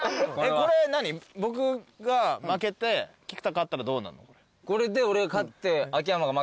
これ僕が負けて菊田勝ったらどうなんの？